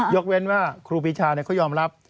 เว้นว่าครูปีชาเขายอมรับ